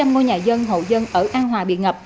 ba trăm linh ngôi nhà dân hậu dân ở an hòa bị ngập